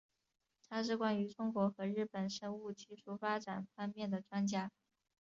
他是关于中国和日本生物技术发展方面的专家。